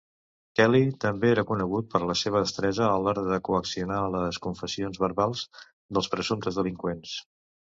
Kelly també era conegut per la seva destresa a l'hora de coaccionar les confessions verbals dels presumptes delinqüents.